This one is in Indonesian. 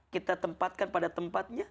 kita tempatkan pada tempatnya